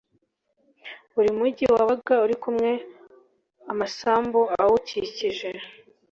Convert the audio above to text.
buri mugi wabaga uri kumwe n amasambu awukikije